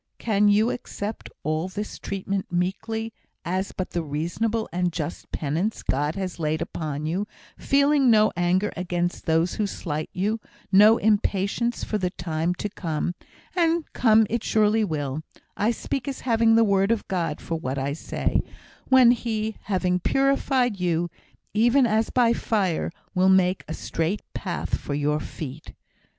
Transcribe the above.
Can you accept all this treatment meekly, as but the reasonable and just penance God has laid upon you feeling no anger against those who slight you, no impatience for the time to come (and come it surely will I speak as having the word of God for what I say) when He, having purified you, even as by fire, will make a straight path for your feet?